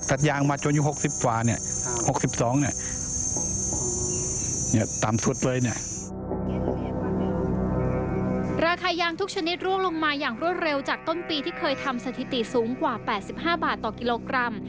ราคายางทุกชนิดร่วงลงมาอย่างรวดเร็วจากต้นปีที่เคยทำสถิติสูงกว่า๘๕บาทต่อกิโลกรัม